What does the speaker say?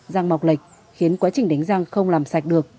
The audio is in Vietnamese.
giang mọc lệch khiến quá trình đánh răng không làm sạch được